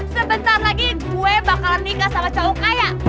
sebentar lagi gue bakalan nikah sama cowok kaya